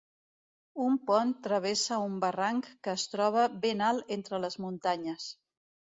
Un pont travessa un barranc que es troba ben alt entre les muntanyes.